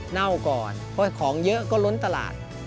เน่าก่อนเพราะของเยอะก็ล้นตลาด